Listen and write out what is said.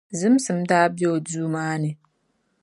Zimsim daa be o duu maa ni,